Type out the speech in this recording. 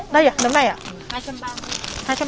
đây ạ nấm này ạ hai trăm ba mươi đồng